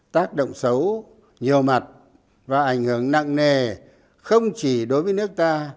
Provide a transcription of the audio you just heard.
tác động xấu nhiều mặt và ảnh hưởng nặng nề không chỉ đối với nước ta